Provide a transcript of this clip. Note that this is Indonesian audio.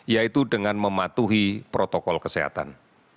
yaitu dengan mematuhi protokol kesehatan